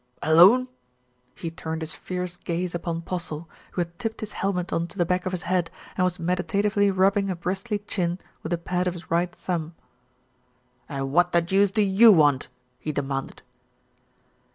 "Alone!" He turned his fierce gaze upon Postle, who had tipped his helmet on to the back of his head, and was meditatively rubbing a bristly chin with the pad of his right thumb. "And what the deuce do you want?" he demanded.